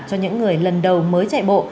cho những người lần đầu mới chạy bộ